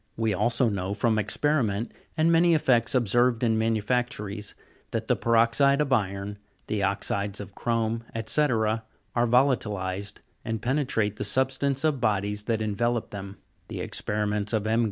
We also know, from experiment, and many effects ob served in manufactories, that the peroxide of iron, the oxides of chrome, &c., are vola'tilized, and penetrate the substance of bodies that envelope them. The experiments of M.